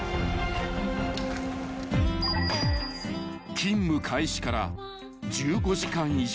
［勤務開始から１５時間以上］